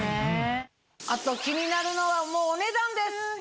あと気になるのはお値段です！